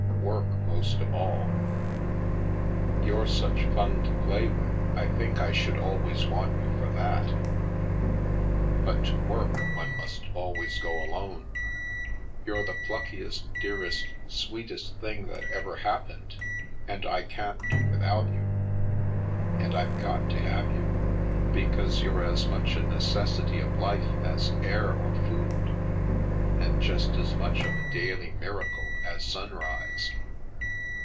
Work, most of all. You're such fun to play with, I think I should always want you for that! But to work one must always go alone. You're the pluckiest, dearest, sweetest thing that ever happened, and I can't do without you, and I've got to have you, be cause you're as much a necessity of life as air or food, and just as much of a daily miracle as sunrise.